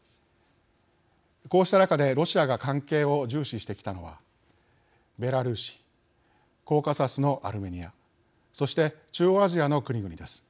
こうした中でロシアが関係を重視してきたのはベラルーシコーカサスのアルメニアそして中央アジアの国々です。